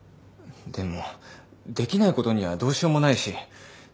でもできないことにはどうしようもないし。